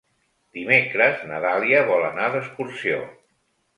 Dimecres na Dàlia vol anar d'excursió.